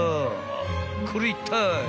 ［これいったい？］